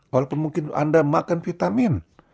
walaupun mungkin anda makan vitamin